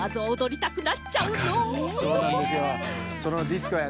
そうなんですよ。